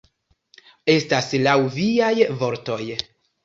Estas laŭ viaj vortoj.